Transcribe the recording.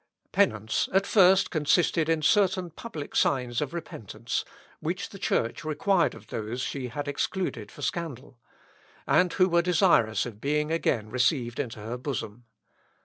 Penance at first consisted in certain public signs of repentance, which the Church required of those whom she had excluded for scandal, and who were desirous of being again received into her bosom.